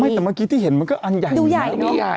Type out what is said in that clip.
ไม่แต่เมื่อกี้ที่เห็นมันก็อันใหญ่นะ